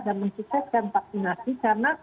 dan menyukseskan vaksinasi karena